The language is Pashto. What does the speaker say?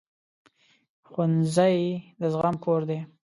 ښوونځی د زغم کور دی